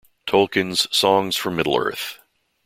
Tolkien's Songs from Middle-earth.